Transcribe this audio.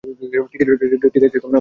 ঠিক আছে, আমিই দেখছি।